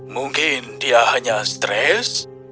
mungkin dia hanya stres